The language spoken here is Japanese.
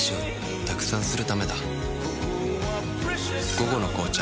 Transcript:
「午後の紅茶」